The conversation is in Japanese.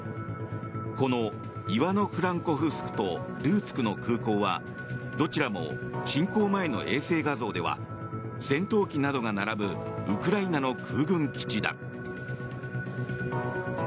このイワノ・フランコフスクとルーツクの空港はどちらも侵攻前の衛星画像では戦闘機などが並ぶウクライナの空軍基地だ。